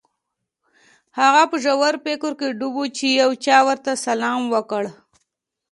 هغه په ژور فکر کې ډوب و چې یو چا ورته سلام وکړ